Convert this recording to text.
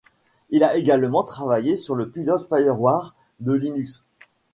Il a également travaillé sur le pilote FireWire de Linux.